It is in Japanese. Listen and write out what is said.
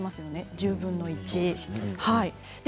１０分の１です。